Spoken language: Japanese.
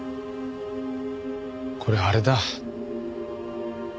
これあれだ。